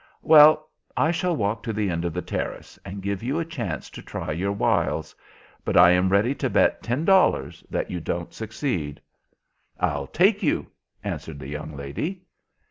"Well, I shall walk to the end of the terrace, and give you a chance to try your wiles. But I am ready to bet ten dollars that you don't succeed." "I'll take you," answered the young lady.